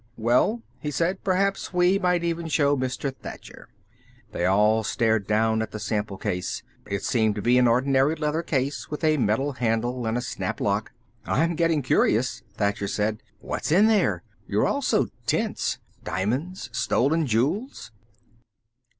"Well?" he said. "Perhaps we might even show Mr. Thacher." They all stared down at the sample case. It seemed to be an ordinary leather case, with a metal handle and a snap lock. "I'm getting curious," Thacher said. "What's in there? You're all so tense. Diamonds? Stolen jewels?"